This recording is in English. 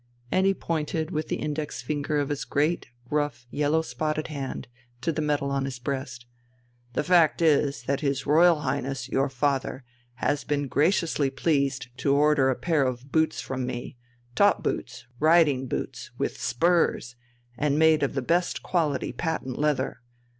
And he pointed with the index finger of his great, rough, yellow spotted hand to the medal on his breast. "The fact is, that his Royal Highness, your father, has been graciously pleased to order a pair of boots from me, top boots, riding boots, with spurs, and made of the best quality patent leather.